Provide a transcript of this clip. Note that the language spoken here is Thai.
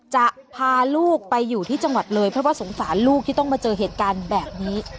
จะพาลูกไปอยู่ที่จังหวัดเลยเพราะว่าสงสารลูกที่ต้องมาเจอเหตุการณ์แบบนี้